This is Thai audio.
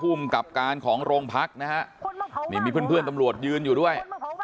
ภูมิกับการของโรงพักนะฮะนี่มีเพื่อนตำรวจยืนอยู่ด้วย